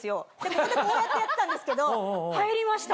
ここでこうやってやってたんですけど入りました。